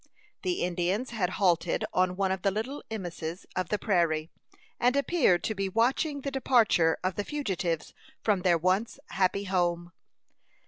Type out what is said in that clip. The Indians had halted on one of the little eminences of the prairie, and appeared to be watching the departure of the fugitives from their once happy home.